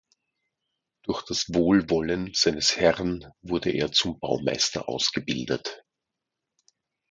Durch das Wohlwollen seines Herren wurde er zum Baumeister ausgebildet.